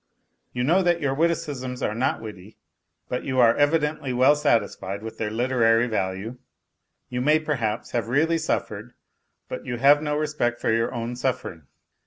You know that your witticisms are not witty, but you are evidently well satisfied with their literary value. You may, perhaps, have really suffered, but you have no respect for your own suffering.